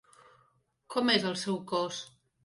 Com és el seu cos?